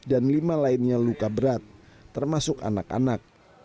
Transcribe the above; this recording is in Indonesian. dan lima lainnya luka berat termasuk anak anak